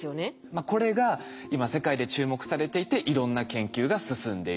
これが今世界で注目されていていろんな研究が進んでいると。